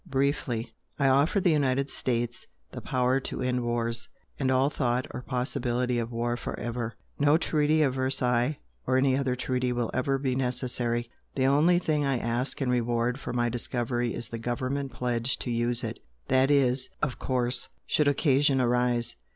Briefly I offer the United States the power to end wars, and all thought or possibility of war for ever. No Treaty of Versailles or any other treaty will ever be necessary. The only thing I ask in reward for my discovery is the government pledge to use it. That is, of course, should occasion arise.